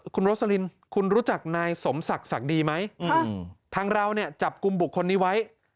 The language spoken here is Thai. คุณโรสลินคุณรู้จักนายสมศักดิ์ดีไหมทางเราเนี่ยจับกลุ่มบุคคลนี้ไว้